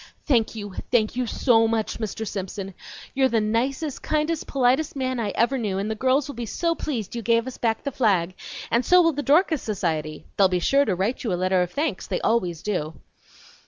"Thank you, thank you ever so much, Mr. Simpson. You're the nicest, kindest, politest man I ever knew, and the girls will be so pleased you gave us back the flag, and so will the Dorcas Society; they'll be sure to write you a letter of thanks; they always do."